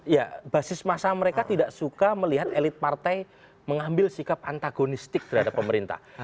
ya basis masa mereka tidak suka melihat elit partai mengambil sikap antagonistik terhadap pemerintah